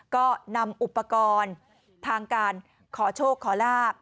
ก็นำอุปกรณ์ทางการขอโชคขอลาบ